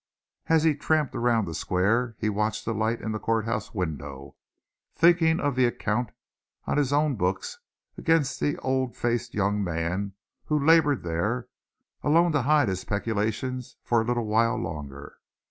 As he tramped around the square, he watched the light in the courthouse window, thinking of the account on his own books against the old faced young man who labored there alone to hide his peculations for a little while longer.